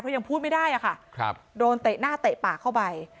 เพราะยังพูดไม่ได้อะค่ะโดนเตะหน้าเตะปากเข้าไป